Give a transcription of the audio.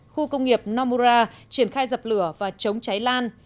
khu công nghiệp nomura triển khai dập lửa và chống cháy lan